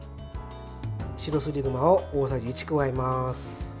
白すりごまを大さじ１加えます。